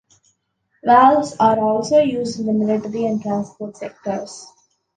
Valves are also used in the military and transport sectors.